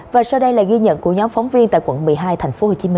và sau đây là ghi nhận của nhóm phóng viên tại quận một mươi hai tp hcm